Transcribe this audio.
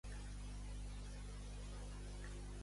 Donar el baptisme, l'extremunció, la comunió.